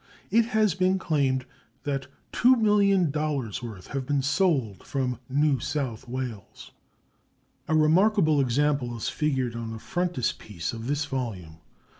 It has been claimed that $2,000,000 worth have been sold from New South Wales. A remarkable example is figured on the frontispiece of this volume.